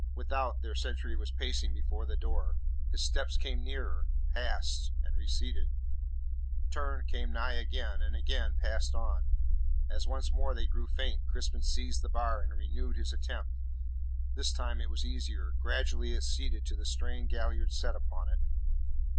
Without, their sentry was pacing before the door; his steps came nearer, passed, and receded; turned, came nigh again, and again passed on. As once more they grew faint, Crispin seized the bar and renewed his attempt. This time it was easier. Gradually it ceded to the strain Galliard set upon it.